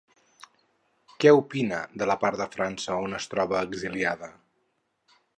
Què opina de la part de França on es troba exiliada?